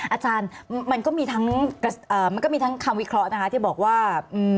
อาจารย์มันก็มีทั้งคำวิเคราะห์ที่บอกว่า